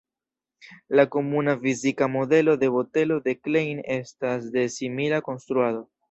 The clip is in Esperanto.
La komuna fizika modelo de botelo de Klein estas de simila konstruado.